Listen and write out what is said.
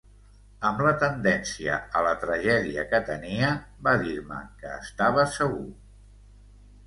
Amb la tendència a la tragèdia que tenia, va dir-me que estava segur.